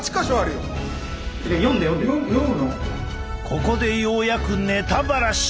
ここでようやくネタばらし！